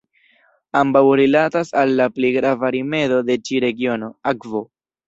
Ambaŭ rilatas al la pli grava rimedo de ĉi regiono: akvo.